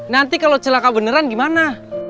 nanti kalau celaka beneran gimana